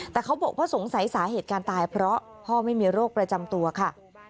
แต่เขาบอกว่าสงสัยสาเหตุการตายเพราะพ่อไม่มีโรคประจำตัวค่ะ